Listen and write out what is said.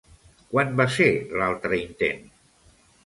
Quan va ser l'altre intent?